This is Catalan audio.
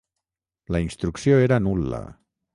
La instrucció era nul·la.